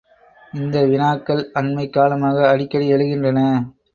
இந்த வினாக்கள் அண்மைக் காலமாக அடிக்கடி எழுகின்றன!